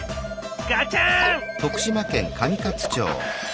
ガチャン！